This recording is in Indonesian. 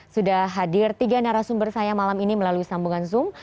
sudah hadir tiga narasumber saya malam ini melalui sambungan zoom